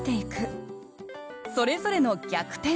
それぞれの「逆転」。